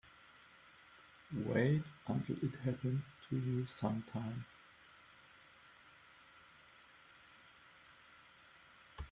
Wait until it happens to you sometime.